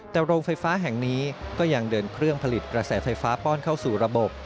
แต่โรงไฟฟ้าแห่งนี้ก็ยังเดินเครื่องผลิตกระแสไฟฟ้าป้อนเข้าสู่ระบบ